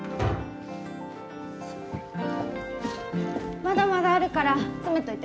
まだまだあるから詰めといて。